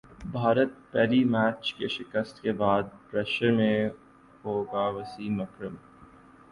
بھارت پہلے میچ کی شکست کے بعد پریشر میں ہوگاوسیم اکرم